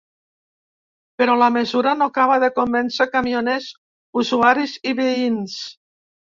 Però la mesura no acaba de convèncer camioners, usuaris i veïns.